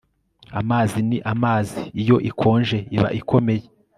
Amazi ni amazi Iyo ikonje iba ikomeye